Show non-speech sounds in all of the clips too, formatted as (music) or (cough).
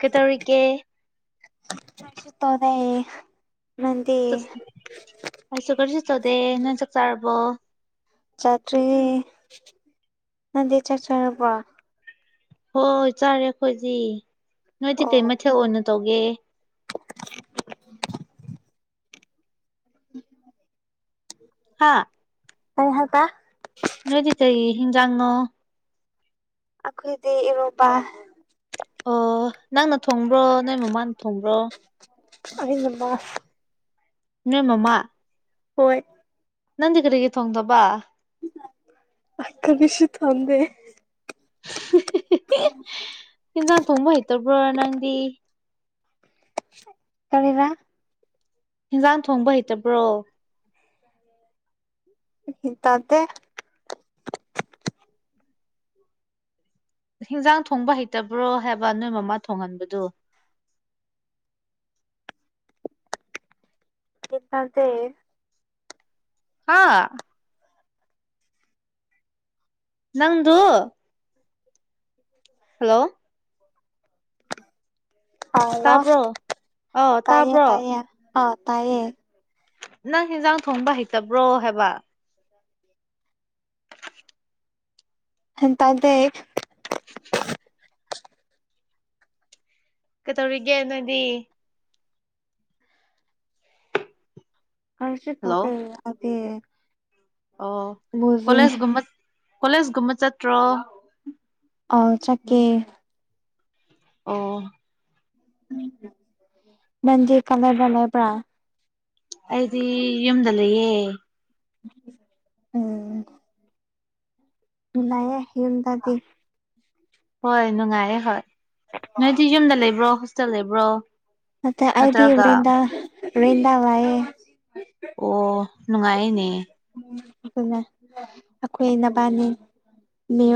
ꯀꯩꯗꯧꯔꯤꯒꯦ ꯆ ꯇꯣꯗꯦ ꯑꯁꯨ ꯀꯁꯤ ꯇꯧꯗꯦ ꯅꯣꯏ ꯆꯥꯛ ꯆꯥꯔꯔꯕꯣ ꯆꯥꯇ꯭ꯔꯤ ꯅꯗꯤ ꯆꯥꯛ ꯆꯔꯕ ꯍꯣꯏꯣꯏ ꯆꯥꯔꯦ ꯑꯩꯈꯣꯏꯗꯤ ꯅꯣꯏꯗꯤ ꯀꯩ ꯑꯣ ꯃꯊꯦꯜ ꯑꯣꯏꯅ ꯇꯧꯒꯦ (unintelligible) (unintelligible) ꯍꯥꯥ ꯀꯩ ꯍꯥꯏꯕ ꯅꯣꯏꯗꯤ ꯀꯩ ꯍꯤꯡꯖꯦꯟꯅꯣ ꯑꯩꯈꯣꯏꯗꯤ ꯏꯔꯣꯕ ꯑꯣ ꯅꯪꯅ ꯊꯣꯡꯕ꯭ꯔꯣ ꯅꯪ ꯃꯃꯥꯅ ꯊꯣꯡꯕ꯭ꯔꯣ (unintelligible) ꯅꯣꯢ ꯃꯃꯥ ꯍꯣꯏ ꯅꯟ ꯀꯔꯤꯒꯤ ꯊꯣꯡꯇꯕ ꯑ ꯀꯅꯤꯁꯨ ꯊꯗꯦ (unintelligible) (unintelligible) ꯏꯟꯖꯪ ꯊꯣꯡꯕ ꯍꯩꯇꯔꯔꯕ꯭ꯔꯣ ꯅꯪꯗꯤ ꯀꯔꯤꯕ ꯍꯤꯟꯖꯥꯡ ꯊꯣꯡꯕ ꯍꯩꯇꯕ꯭ꯔꯣ ꯇꯗꯦ ꯍꯤꯟꯖꯥꯡ ꯊꯣꯡꯕ ꯍꯩꯇꯕ꯭ꯔꯣ ꯍꯥꯏꯕ ꯅꯣꯏ ꯃꯃꯥ ꯊꯣꯡꯍꯟꯕꯗꯨ ꯇꯗꯦ (unintelligible) ꯍꯥ ꯅꯪꯗꯨ ꯍꯜꯂꯣ ꯑꯂꯣ ꯇꯥꯕ꯭ꯔꯣ ꯑ ꯇꯥꯏꯌꯦ ꯇꯥꯕ꯭ꯔꯣ ꯇꯥꯏꯌꯦ ꯑ ꯇꯥꯏꯌꯦ ꯅꯪ ꯌꯦꯟꯖꯥꯡ ꯊꯣꯡꯕ ꯍꯩꯇꯕ꯭ꯔꯣ ꯍꯥꯏꯕ (inaudible) (inaudible) ꯒꯌ꯭ꯥꯟ ꯇꯥꯗꯦ ꯀꯩꯗꯧꯔꯤꯒꯦ ꯅꯪꯗꯤ ꯀꯔꯤꯁꯨ ꯍꯜꯂꯣ ꯇꯧꯗꯦ (unintelligible) ꯑꯣ ꯃꯨꯚꯤ ꯀꯣꯂꯦꯖꯒꯨꯝꯕ ꯀꯣꯂꯦꯖ ꯀꯨꯝꯕ ꯆꯠꯇ꯭ꯔꯣ ꯑꯣ ꯆꯥꯠ ꯀꯦ ꯑꯣ ꯅꯪꯗꯤ ꯀꯗꯥꯏꯗ ꯂꯩꯕꯔꯥ ꯑꯩꯗꯤ ꯌꯨꯝꯗ ꯂꯩꯌꯦ ꯎꯝ ꯅꯨꯡꯉꯥꯏꯔꯦ ꯌꯨꯝꯗꯥꯗꯤ ꯍꯣꯏ ꯅꯨꯡꯉꯥꯏꯌꯦ ꯍꯣꯏ ꯅꯣꯏꯗꯤ ꯌꯨꯝꯗ ꯂꯩꯕ꯭ꯔꯣ ꯍꯣꯁꯇꯦꯜ ꯂꯩꯕ꯭ꯔꯣ ꯅꯠꯇꯦ ꯑꯗꯤ ꯅꯠꯇ꯭ꯔꯒ ꯔꯦꯟꯗꯥ ꯔꯦꯟꯗ ꯂꯩꯌꯦ ꯑꯣ ꯅꯨꯡꯉꯥꯏꯅꯦ ꯑꯗꯨꯅ ꯑꯩꯈꯣꯏ ꯅꯕꯥꯅꯤ ꯃꯤ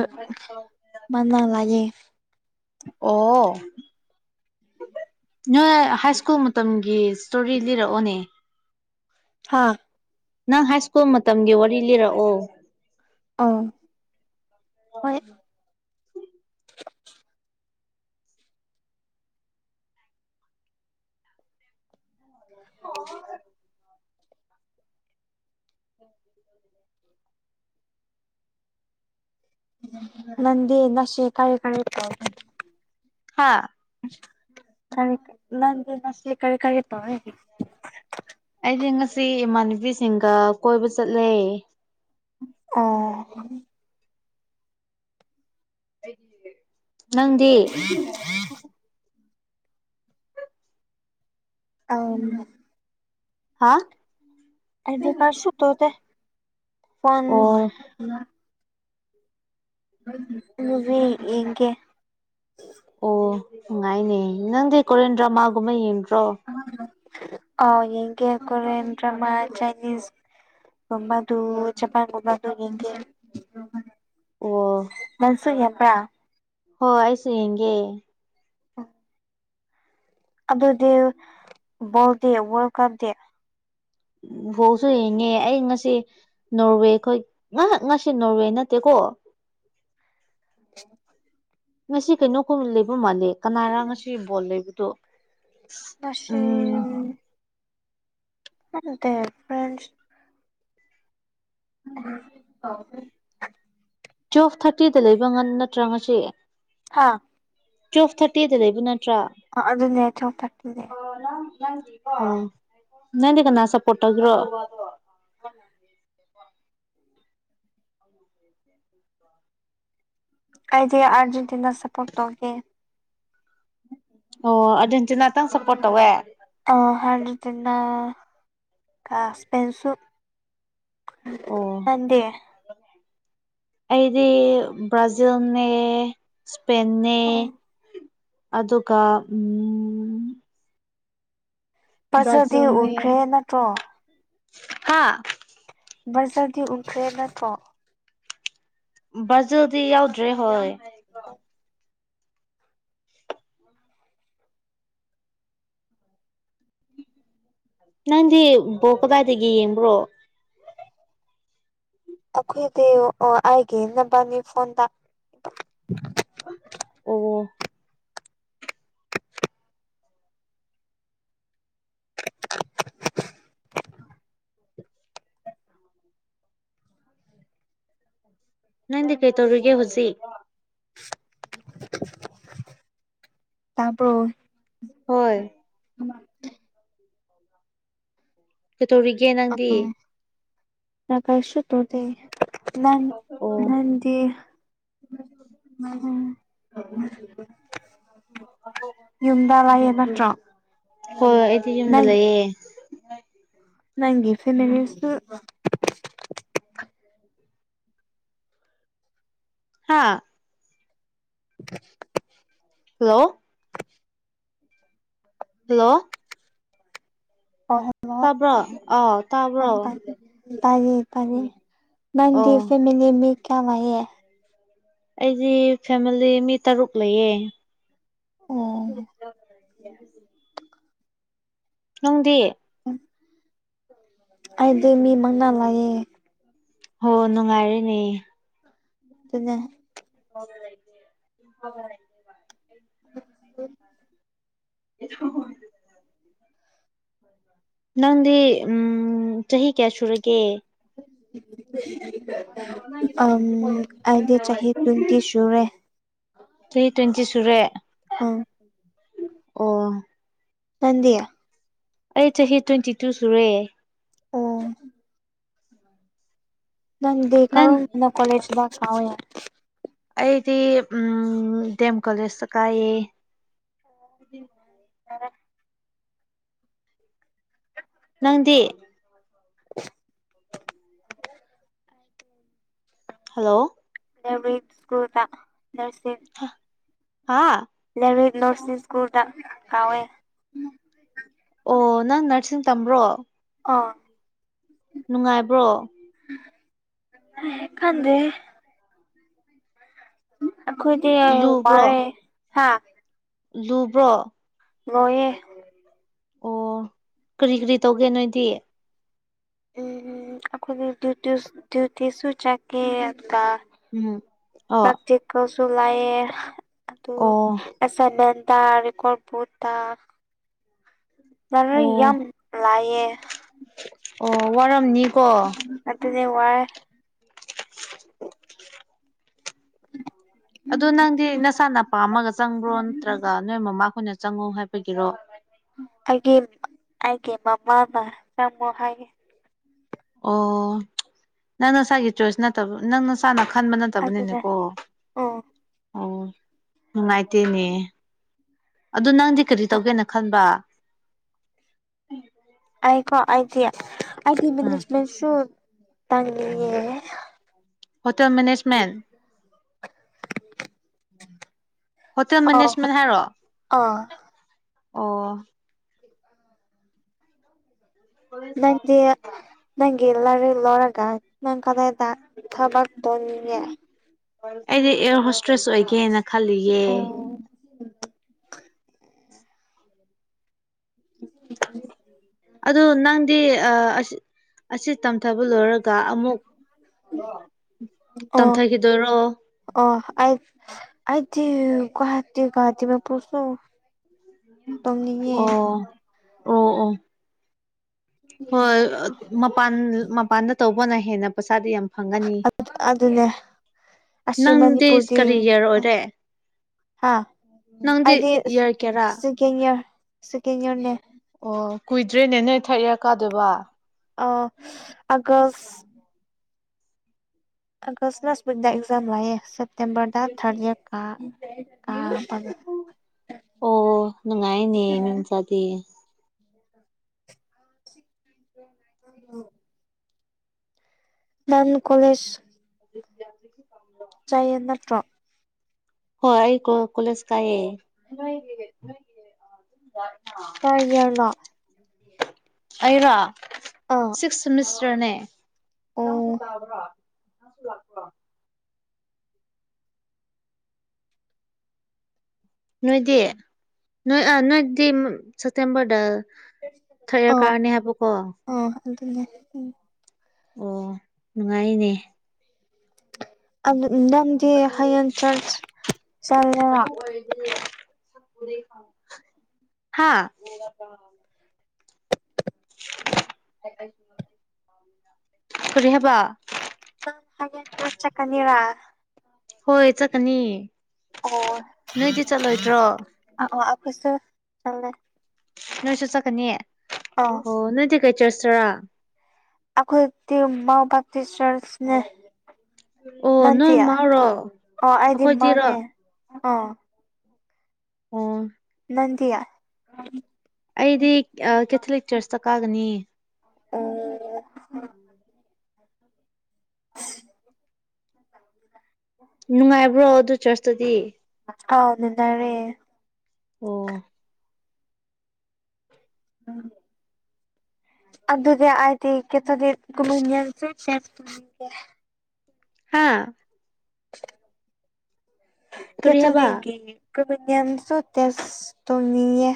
ꯃꯥꯟꯅ ꯂꯩꯌꯦ ꯑꯣ ꯅꯣꯏ ꯍꯥꯏꯀꯨꯜ ꯁ꯭ꯀꯨꯜ ꯃꯇꯝꯒꯤ ꯏꯁ꯭ꯇꯣꯔꯤ ꯂꯤꯔꯛꯑꯣꯅꯦ ꯍꯥꯥ ꯅꯪ ꯍꯥꯏ ꯁ꯭ꯀꯨꯜ ꯃꯇꯝꯒꯤ ꯋꯥꯔꯤ ꯂꯤꯔꯛꯑꯣ ꯑꯣ ꯍꯣꯏ (unintelligible) (inaudible) ꯅꯗꯤ ꯅꯁꯦ ꯀꯥꯢ ꯀꯥꯢ꯫ ꯍꯥꯥ꯫ ꯑꯁ ꯅꯪꯗꯤ ꯉꯁꯤ ꯀꯔ ꯀꯔꯤ ꯇꯧꯋꯦ꯫ ꯑꯩꯗꯤ ꯉꯁꯤ ꯏꯃꯥꯟꯅꯕꯤꯁꯤꯡꯒ ꯀꯣꯏꯕ ꯆꯠꯂꯦ꯫ ꯑ꯫ ꯅꯪꯗꯤ꯫ (inaudible) ꯑꯣ ꯍꯥ ꯑꯥꯏꯗꯤ ꯀꯥ ꯁꯠꯇꯗ ꯐꯣꯟ ꯑꯣ (unintelligible) ꯌꯦꯡꯒꯦ ꯑꯣ ꯅꯨꯡꯉꯥꯏꯅꯦ ꯅꯪꯗꯤ ꯀꯣꯔꯦꯟ ꯗ꯭ꯔꯃꯥꯒꯨꯝꯕ ꯌꯦꯡꯗ꯭ꯔꯣ ꯫ ꯑꯣ ꯌꯦꯡꯒꯦ ꯀꯣꯔꯤꯌꯥꯟ ꯗ꯭ꯔꯃꯥ ꯆꯥꯏꯅꯤꯁ ꯀꯝꯕ ꯑꯗꯨ ꯆꯄꯥꯟꯒꯝꯕ ꯑꯗꯨ ꯌꯦꯒꯦ ꯑꯣ ꯅꯪꯁꯨ ꯍꯦꯟꯄ꯭ꯔꯥ꯫ ꯍꯣꯏ ꯑꯩꯁꯨ ꯌꯦꯡꯒꯦ꯫ ꯑ꯫ ꯑꯗꯨꯗꯤ ꯕꯣꯜꯗꯤ ꯋꯥꯔꯜ ꯀꯞꯗꯤ꯫ ꯎ ꯕꯣꯜꯁꯨ ꯌꯦꯡꯉꯦ ꯑꯩ ꯉꯁꯤ꯫ ꯅꯣꯔꯋꯦ ꯈꯣꯏ ꯉꯥ ꯉꯁꯤ ꯅꯣꯔꯋꯦ ꯅꯠꯇꯦꯀꯣ꯫ ꯍ꯫ ꯉꯁꯤ ꯀꯩꯅꯣ ꯀꯨꯝ ꯂꯩꯕ ꯃꯥꯜꯂꯦ ꯀꯅꯥꯔ ꯉꯁꯤ ꯕꯣꯜ ꯂꯩꯕꯗꯣ꯫ ꯉꯁꯤ ꯎꯝ꯫ ꯑꯗꯦ ꯐ꯭ꯔꯦꯟ꯫ ꯇ (inaudible) ꯇꯨꯋꯦꯜꯞ ꯊꯥꯔꯇꯤꯗ ꯂꯩꯕ ꯉ ꯅꯠꯇ꯭ꯔꯥ ꯉꯁꯤ꯫ ꯍꯥꯥ꯫ ꯇꯨꯋꯜꯞ ꯊꯥꯔꯇꯤꯗ ꯂꯩꯕ ꯅꯠꯇ꯭ꯔꯥ꯫ ꯑꯗꯨꯅꯦ ꯇꯨꯋꯦꯜꯞ ꯊꯔꯇꯤꯅꯦ꯫ ꯅꯪꯗꯤ ꯀꯅꯥ ꯁꯄꯣꯠ ꯇꯧꯒ꯭ꯔꯣ꯫ ꯑꯩꯗꯤ ꯑꯔꯖꯦꯟꯇꯤꯅꯥ ꯁꯄꯣꯔꯠ ꯇꯧꯒꯦ꯫ ꯑꯣ ꯑꯔꯖꯦꯟꯇꯤꯅꯥꯇꯪ ꯁꯞꯄꯣꯔꯠ ꯇꯧꯋꯦ꯫ ꯑ ꯍ ꯇꯅ ꯀꯁꯄꯦꯟꯁꯨ꯫ ꯑꯣ ꯅꯪꯗꯤ꯫ ꯑꯩꯗꯤ ꯕ꯭ꯔꯥꯖꯤꯜꯅꯦ꯫ ꯏꯁꯄꯦꯟꯅꯦ ꯑꯗꯨꯒ ꯎꯝ꯫ ꯐꯖꯗꯤ ꯎꯟꯈ꯭ꯔꯦ ꯕ꯭ꯔꯥꯖꯤꯜꯅꯦ ꯅꯠꯇ꯭ꯔꯣ꯫ ꯍꯥ꯫ ꯕꯖꯔꯗꯤ ꯎꯟꯈ꯭ꯔꯦ ꯅꯠꯇꯔꯣ꯫ ꯕ꯭ꯔꯖꯤꯜꯗꯤ ꯌꯥꯎꯗ꯭ꯔꯦ ꯍꯣꯏ꯫ ꯅꯪꯗꯤ ꯕꯣꯜ ꯀꯗꯥꯏꯗ ꯌꯦꯡꯕ꯭ꯔꯣ꯫ ꯑꯈꯣꯏꯗꯤ ꯎ ꯑꯩꯒꯤ ꯏꯅꯣꯕꯒꯤ ꯐꯣꯟꯗ꯫ ꯑꯣ꯫ ꯅꯪꯗꯤ ꯀꯩ ꯇꯧꯔꯤꯒꯦ ꯍꯧꯖꯤꯛ꯫ ꯇ꯭ꯕꯔꯣ꯫ ꯍꯣꯏ꯫ ꯀꯩꯗꯧꯔꯤꯒꯦ ꯅꯪꯗꯤ꯫ (unintelligible) ꯅꯪ ꯑꯣ ꯅꯪꯗꯤ꯫ ꯎꯝ ꯌꯗ ꯂꯩꯌꯦ ꯅꯠꯇ꯭ꯔꯣ ꯍꯣꯏ ꯑꯩꯗꯤ ꯌꯨꯝꯗ ꯂꯩꯌꯦ ꯅꯪꯒꯤ ꯐꯦꯃꯤꯂꯤꯁꯨ ꯍꯥꯥ (inaudible) ꯍꯜꯂꯣ (inaudible) (inaudible) ꯇꯥꯕ꯭ꯔꯣ ꯑ ꯇꯥꯕ꯭ꯔꯣ ꯇꯌꯦ ꯇꯌꯦ ꯅꯪꯒꯤ ꯑꯣ ꯐꯦꯃꯤꯂꯤ ꯃꯤ ꯀꯌꯥ ꯂꯥꯛꯢ꯫ ꯑꯩꯗꯤ ꯐꯦꯃꯤꯂꯤ ꯃꯤ ꯇꯔꯨꯛ ꯂꯩꯌꯦ꯫ ꯎꯝ꯫ ꯅꯪꯗꯤ꯫ ꯑꯩꯗꯤ ꯃꯤ ꯃꯪꯅ ꯂꯩꯌꯦ꯫ ꯍꯣ ꯅꯨꯡꯉꯥꯏꯔꯤꯅꯦ꯫ ꯑꯗꯨꯅꯦ꯫ ꯍꯦ (inaudible) ꯎ ꯎ꯫ (unintelligible) ꯅꯪꯗꯤ ꯆꯍꯤ ꯀꯌꯥ ꯁꯨꯔꯒꯦ ꯑꯝ ꯑꯩꯗꯤ ꯆꯍꯤ ꯇ꯭ꯋꯦꯟꯇꯤ ꯁꯨꯔꯦ ꯆꯍꯤ ꯇ꯭ꯋꯦꯟꯇꯤ ꯁꯨꯔꯦ ꯑꯣ (inaudible) ꯑꯣ (inaudible) ꯑꯩ ꯆꯍꯤ ꯇ꯭ꯋꯦꯟꯇꯤꯇꯨ ꯁꯨꯔꯦ ꯑꯥ ꯅꯪꯗꯤ ꯅꯪ (unintelligible) ꯑꯩꯗꯤ ꯎꯝ ꯗꯤ ꯑꯦꯝ ꯀꯣꯂꯦꯖꯇ ꯀꯥꯏꯌꯦ (inaudible) ꯅꯪꯗꯤ (unintelligible) ꯍꯜꯂꯣ (unintelligible) ꯁ꯭ꯀꯨꯜꯗ ꯅꯥꯔꯁꯤꯡ ꯍꯥꯥ (unintelligible) ꯁ꯭ꯀꯨꯜꯗ ꯀꯥꯎꯋꯦ ꯑꯣ ꯅꯪ ꯅꯔꯁꯤꯡ ꯇꯝꯕ꯭ꯔꯣ ꯑꯥ ꯅꯨꯡꯉꯥꯏꯕ꯭ꯔꯣ ꯈꯪꯗꯦꯍꯦ ꯑꯩꯈꯣꯏꯗꯤ ꯂꯨꯕ꯭ꯔꯣ ꯋꯥꯔꯦ ꯍꯥ ꯂꯨꯕ꯭ꯔꯣ ꯂꯨꯌꯦ ꯑꯣ ꯀꯔꯤ ꯀꯔꯤ ꯇꯧꯒꯦ ꯅꯣꯏꯗꯤ ꯎꯝ ꯑꯩꯈꯣꯏꯒꯤ ꯗ꯭ꯌꯨꯇꯤꯌꯨꯁ ꯗ꯭ꯌꯨꯇꯤꯁꯨ ꯆꯠꯀꯦ ꯑꯗꯨꯒ ꯎꯝ ꯑꯣ ꯄ꯭ꯔꯥꯛꯇꯤꯀꯦꯜꯁꯨ ꯂꯩꯌꯦ ꯑꯗꯨ ꯑꯣ ꯑꯦꯁꯥꯏꯟꯃꯦꯟꯗ ꯔꯦꯀꯣꯔꯠ ꯕꯨ ꯇ (unintelligible) ꯑꯣ ꯌꯥꯝ ꯂꯥꯏꯑꯌꯦ ꯑꯣ ꯋꯥꯔꯝꯅꯤ ꯑꯗꯨꯅꯦ ꯋꯥꯏꯌꯦ ꯑꯗꯨ ꯅꯪꯗꯤ ꯅꯁꯥꯅ ꯄꯥꯝꯃꯥꯒ ꯆꯪꯕ꯭ꯔꯣ ꯅꯠꯇ꯭ꯔꯒ ꯅꯣꯏ ꯃꯃꯥ ꯍꯣꯏꯅ ꯆꯪꯉꯣ ꯍꯥꯏꯕꯒꯤꯔꯣ ꯑꯩꯒꯤ ꯑꯩꯒꯤ ꯃꯃꯥꯅ ꯆꯪꯉꯣ ꯍꯥꯏꯌꯦ ꯑꯣ ꯅꯪ ꯅꯁꯥꯒꯤ ꯆꯣꯔꯁ ꯅꯠꯇꯕ ꯅꯪ ꯅꯁ ꯁꯥꯅ ꯈꯟꯕ ꯑꯗꯨꯅꯦ ꯅꯠꯇꯕꯅꯤꯅꯀꯣ ꯎꯝ ꯑꯣ ꯅꯨꯡꯉꯥꯏꯇꯦꯅꯦ ꯑꯗꯨ ꯅꯪꯗꯤ ꯀꯔꯤ ꯇꯧꯒꯦꯅ ꯈꯟꯕ ꯑꯩꯀꯣ ꯑꯩꯗꯤ ꯑꯩꯗꯤ ꯎꯝ ꯃꯦꯅꯦꯖꯃꯦꯟꯁꯨ ꯇꯝꯅꯤꯡꯉꯦ ꯍꯣꯇꯦꯜ ꯃꯦꯅꯦꯖꯃꯦꯟ (inaudible) ꯍꯣꯇꯦꯜ ꯑꯧ ꯃꯦꯅꯦꯖꯃꯦꯟ ꯍꯥꯏꯔꯣ ꯑꯥ ꯑꯣ ꯅꯪꯗꯤ ꯅꯪ ꯌꯦꯂꯔ ꯏ ꯂꯣꯔꯒ ꯅꯪ ꯀꯗꯥ ꯗ ꯊꯕꯒ ꯗꯅꯤꯡꯦ ꯑꯩꯗꯤ ꯑꯦꯔ ꯍꯣꯁꯇ꯭ꯔꯦꯁ ꯑꯣꯏꯒꯦꯅ ꯈꯜꯂꯤꯌꯦꯦ ꯎꯝ (inaudible) ꯑꯗꯨ ꯅꯪꯗꯤ ꯑꯁꯤ ꯇꯝꯊꯕ ꯂꯣꯏꯔꯒ ꯑꯃꯨꯛ ꯑꯣ ꯇꯝꯊꯈꯤꯗꯔꯣ ꯑꯣ ꯑ ꯑꯗꯤ ꯀꯍꯇ ꯀꯍꯇ ꯃ ꯄꯨꯁꯨ ꯑꯣ ꯑꯣ ꯑꯣ ꯍꯣꯏ ꯃꯄꯥꯟ ꯃꯄꯥꯟꯗ ꯇꯧꯕꯅ ꯍꯦꯟꯅ ꯄꯩꯁꯥꯗꯤ ꯌꯥꯝ ꯐꯪꯒꯅꯤ ꯑꯗꯨꯅꯦ ꯑꯁꯤ ꯅꯪꯗꯤ ꯃꯅꯤꯄꯨꯔꯗꯤ ꯀꯔꯤ ꯌꯔ ꯑꯣꯏꯔꯦ ꯍꯥ ꯅꯪꯗꯤ ꯏꯌꯥꯔ ꯀꯦꯔꯥ ꯀꯦꯟ ꯋꯔ ꯁꯦꯀꯦꯟꯗ ꯋꯔꯅꯦ ꯑꯣ ꯀꯨꯏꯗ꯭ꯔꯦꯅꯦ ꯅꯣꯏ ꯊꯥꯔꯠ ꯏꯌꯥꯔ ꯀꯥꯗꯣꯏꯕ ꯑ ꯑꯒꯁ ꯑꯒꯁꯅ ꯋꯄꯨꯅꯗ ꯑꯦꯛꯖꯝ ꯂꯌꯦ ꯁꯦꯞꯇꯦꯝꯕꯔꯗ ꯊꯥꯔꯗ ꯏꯔ ꯀꯥ ꯀꯥꯕꯒ ꯑꯣ ꯅꯨꯡꯉꯥꯏꯅꯦ ꯃꯤꯃꯆꯥꯗꯤ (inaudible) ꯝ ꯀꯣꯂꯦꯖ (unintelligible) ꯆꯥꯢꯌꯦ ꯅꯠꯇ꯭ꯔꯣ ꯍꯣꯏ ꯑꯩ ꯀꯣ ꯀꯣꯂꯦꯁ ꯀꯥꯏꯌꯦ ꯇꯔ ꯌꯦꯔꯅꯣ ꯑꯩꯔꯣ ꯑꯥ ꯁꯣꯛꯁ ꯁꯦꯝꯃꯤꯁꯇꯔꯅꯦ ꯑꯣ ꯉꯁꯨ ꯇꯥꯕ꯭ꯔꯥ ꯉꯁꯨ ꯂꯥꯛꯄ꯭ꯔꯣ ꯅꯣꯏꯗꯤ ꯅꯣꯏ ꯅꯣꯏꯗꯤ ꯁꯦꯞꯇꯦꯝꯕꯔꯗ ꯊꯥꯔꯗ ꯌꯔ ꯀꯥꯔꯅꯤ ꯍꯥꯏꯕꯀꯣ ꯑ ꯑꯗꯨꯅꯦ ꯑꯣ ꯅꯨꯡꯉꯥꯏꯌꯦꯅꯦ ꯅꯪꯗꯤ ꯍꯌꯦꯡ ꯆꯔꯁ ꯆꯠꯂꯦꯔꯥ ꯍꯥꯥ ꯀꯔꯤ ꯍꯥꯕ ꯅꯪ ꯍꯌꯦꯡ ꯆꯔꯁ ꯆꯠꯀꯅꯤꯔꯥ ꯍ ꯆ ꯀꯅꯤ ꯑꯣ ꯑ ꯑꯩꯈꯣꯏꯁꯨ ꯆꯂꯦ ꯅꯣꯏꯁꯨ ꯆꯠꯀꯅꯤꯌꯦ ꯑꯥꯎ ꯑꯣ ꯅꯣꯢꯗꯤ ꯀꯩ ꯆꯔꯁꯇꯔꯥ ꯑꯩꯈꯣꯏꯗꯤ (unintelligible) ꯆꯔꯁꯅꯦ ꯑꯣ ꯅꯣꯏ ꯃꯇꯤꯌꯥ ꯃꯥꯔꯣ ꯑꯣ ꯍꯥꯏꯗꯤ ꯑꯩꯈꯣꯏꯗꯤꯔꯣ ꯃꯅꯦ ꯑ ꯑꯣ ꯅꯗꯤꯌꯥ ꯑꯩꯗꯤ ꯀꯦꯊꯂꯤꯛ ꯆꯔꯁꯇ ꯀꯥꯒꯅꯤ ꯑꯣ... (inaudible) (unintelligible) ꯅꯨꯡꯉꯥꯏꯕ꯭ꯔꯣ ꯑꯗꯨ ꯆꯔꯁꯇꯨꯗꯤ ꯍꯥꯎꯅ ꯅꯔꯦ ꯑꯣ (unintelligible) ꯑꯗꯨꯗꯤ ꯑꯗꯤ ꯀꯦꯇꯣꯗꯤ ꯀꯁꯦ ꯍꯥꯥ ꯀꯔꯤ ꯍꯥꯏꯕ ꯀꯦꯊꯣꯂꯤꯒꯤ ꯀ꯭ꯔꯤꯅꯦꯟꯁꯨ ꯇꯦꯁ ꯇꯣꯡꯅꯤꯡꯉꯦ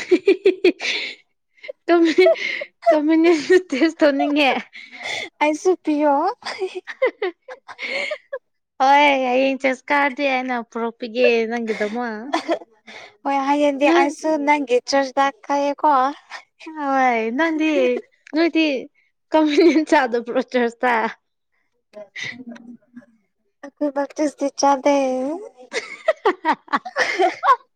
(unintelligible) ꯀꯃꯥꯢꯅ ꯇꯦꯁ ꯇꯧꯅꯤꯡꯉꯦ ꯑꯩꯁꯨ ꯄꯤꯌꯣ ꯍꯣꯏ ꯍꯋꯦꯡ ꯆꯔꯁ ꯀꯥꯔꯗꯤ ꯑꯩꯅ ꯄꯨꯔꯛꯄꯤꯒꯦ ꯅꯪꯒꯤꯗꯃꯛ ꯍꯣꯏ ꯍꯌꯦꯡꯗꯤ ꯅꯣꯏ ꯑꯩꯁꯨ ꯅꯪꯒꯤ ꯆꯔꯆꯗꯥꯛ ꯀꯌꯦꯀꯣ ꯫ ꯍꯣꯢ ꯅꯪꯗꯤ ꯅꯣꯢꯗꯤ ꯀꯃꯥꯢꯅ ꯆꯥꯗꯕ꯭ꯔꯣ ꯆꯔꯁꯇ ꯑꯩꯈꯣꯢ ꯕꯞꯇꯤꯁꯇꯤ ꯆꯥꯗꯦ (inaudible)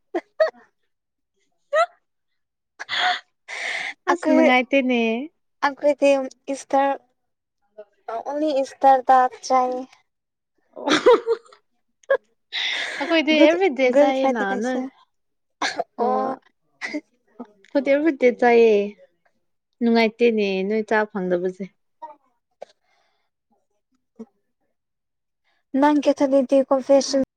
ꯑꯁ ꯅꯨꯡꯉꯥꯏꯇꯦꯅꯦ ꯑꯩꯈꯣꯏꯗꯤ ꯏꯁꯇꯔ ꯑꯣꯂꯤ ꯏꯁꯇꯔꯗ ꯆꯠꯂꯦ ꯑꯩꯈꯣꯏꯗꯤ ꯑꯦꯕ꯭ꯔꯤꯗꯦ (inaudible) ꯒꯨꯗ ꯆꯥꯏꯌꯦꯅ ꯐꯥꯏꯗꯦ ꯅꯣꯏ ꯀꯩꯁꯦ ꯑꯣ ꯈꯣꯌꯗꯤ ꯑꯕꯤꯗꯦ ꯆꯥꯏꯌꯦ ꯅꯨꯡꯉꯥꯏꯇꯦꯅꯦ ꯅꯣꯏ ꯆꯥꯕ ꯐꯪꯗꯕꯁꯦ (unintelligible) ꯅꯪ ꯀꯦꯊꯗꯗꯦ ꯀꯣꯝꯐꯦꯁꯟ